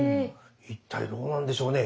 一体どうなんでしょうね。